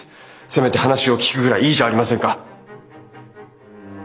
せめて話を聞くぐらいいいじゃありませんか。